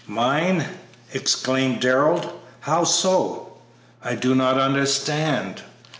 "Mine!" exclaimed Darrell. "How so? I do not understand."